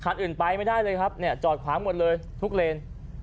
คันอื่นไปไม่ได้เลยครับเนี่ยจอดขวางหมดเลยทุกเลน